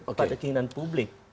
pada keinginan publik